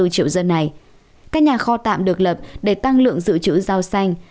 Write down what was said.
các nhà kho tạm được lập để tăng lượng dự trữ rau xanh